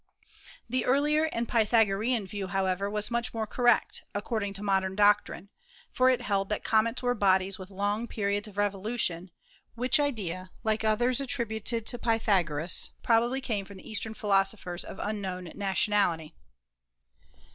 The earlier and Pythagorean view, however, was much more correct, according to modern doctrine; for it held that comets were bodies with long periods of revolution, which idea, like others attributed to Pythagoras, probably came from eastern philosophers of unknown nationality.